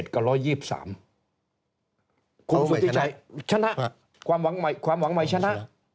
คุณสุธิชัยชนะความหวังใหม่ชนะ